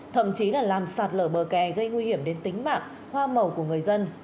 thậm chí là làm sạt lở bờ kè gây nguy hiểm đến tính mạng hoa màu của người dân